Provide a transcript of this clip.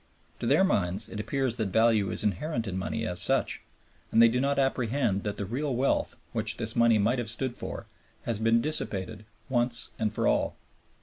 To their minds it appears that value is inherent in money as such, and they do not apprehend that the real wealth, which this money might have stood for, has been dissipated once and for all.